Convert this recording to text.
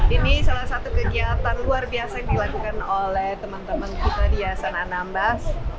ini salah satu kegiatan luar biasa yang dilakukan oleh teman teman kita di yayasan anambas